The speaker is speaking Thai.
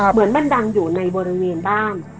เหมือนมันดังอยู่ในบริเวณบ้าน